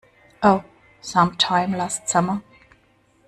Oh, some time last summer.